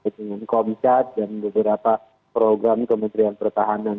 dengan komcat dan beberapa program kementerian pertahanan